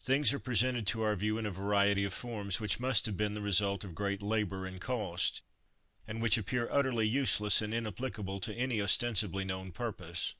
Things are presented to our view, in a variety of forms, which must have been the result of great labour and cost, and which appear utterly useless and inapplicable to any ostensibly known purpose.